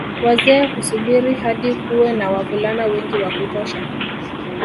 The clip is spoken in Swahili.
Wazee husubiri hadi kuwe na wavulana wengi wa kutosha